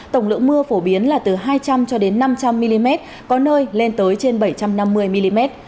tổng lượng mưa phổ biến là từ hai trăm linh cho đến năm trăm linh mm có nơi lên tới trên bảy trăm năm mươi mm